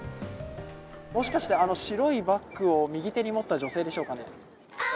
もしかしてあの白いバッグを右手に持った女性でしょうかね。